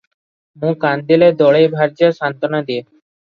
ମୁଁ କାନ୍ଦିଲେ ଦଳେଇ ଭାର୍ଯ୍ୟା ସାନ୍ୱନା ଦିଏ